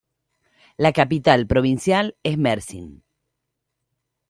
La capital provincial es Mersin.